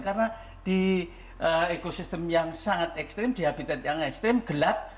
karena di ekosistem yang sangat ekstrim di habitat yang ekstrim gelap